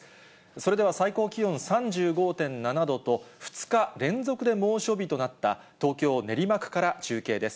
それでは最高気温３５．７度と、２日連続で猛暑日となった東京・練馬区から中継です。